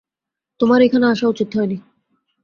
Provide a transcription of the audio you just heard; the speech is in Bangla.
তোমার এখানে আসা উচিত হয়নি।